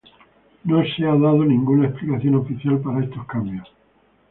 No se ha dado ninguna explicación oficial para estos cambios.